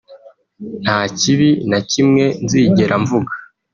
nta kibi na kimwe nzigera mvuga